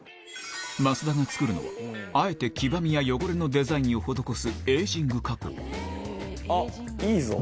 増田が作るのはあえて黄ばみや汚れのデザインを施すエージング加工あっいいぞ！